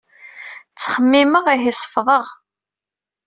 Ttxemmimeɣ, ihi seffḍeɣ.